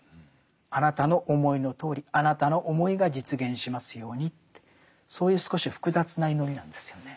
あなたの思いのとおりあなたの思いが実現しますようにってそういう少し複雑な祈りなんですよね。